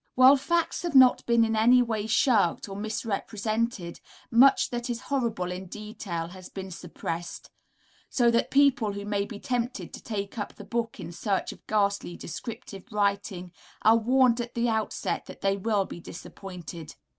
While facts have not been in any way shirked or misrepresented, much that is horrible in detail has been suppressed; so that people who may be tempted to take up the book in search of ghastly descriptive writing, are warned at the outset that they will be disappointed.